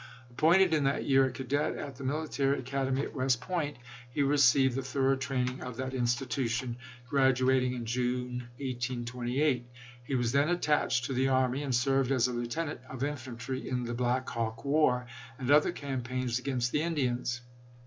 Appointed in that year a cadet at the Military Academy at West Point, he received the thorough training of that institution, graduat ing in June, 1828 ; he was then attached to the army, and served as a lieutenant of infantry in the Black Hawk war and other campaigns against the In dians.